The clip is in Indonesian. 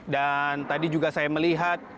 dan tadi juga saya melihat